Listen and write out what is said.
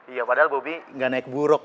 iya padahal bobi nggak naik buruk